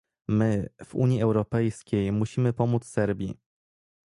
My, w Unii Europejskiej musimy pomóc Serbii